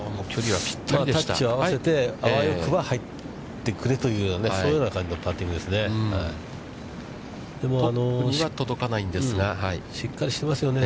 タッチを合わせて、あわよくば入ってくれという、そういうような感じのパッティングですね。